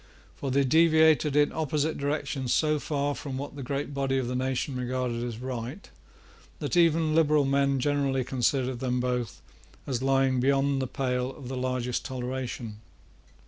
For they deviated in opposite directions so far from what the great body of the nation regarded as right, that even liberal men generally considered them both as lying beyond the pale of the largest toleration.